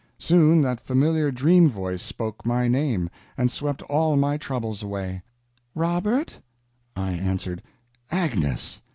Soon that familiar dream voice spoke my name, and swept all my troubles away: "Robert!" I answered: "Agnes!"